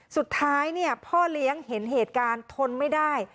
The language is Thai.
สุดท้ายพ่อเลี้ยงเห็นเหตุการณ์ทนไม่ได้